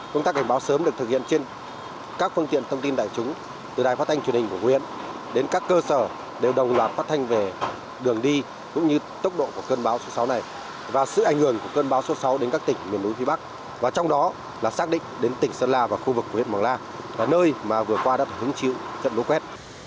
công tác cảnh báo sớm được thực hiện trên các phương tiện thông tin đại chúng từ đài phát thanh truyền hình của huyện đến các cơ sở đều đồng loạt phát thanh về đường đi cũng như tốc độ của cơn bão số sáu này và sự ảnh hưởng của cơn bão số sáu đến các tỉnh miền núi phía bắc và trong đó là xác định đến tỉnh sơn la và khu vực huyện mường la là nơi mà vừa qua đã phải hứng chịu trận lũ quét